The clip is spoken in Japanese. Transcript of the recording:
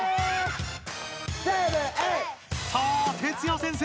さあＴＥＴＳＵＹＡ先生！